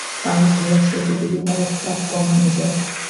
পানির ধারার স্রোতে যদি গায়ের তাপ কমানো যায়।